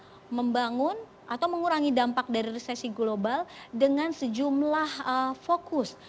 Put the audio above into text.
untuk membangun atau mengurangi dampak dari resesi global dengan sejumlah fokus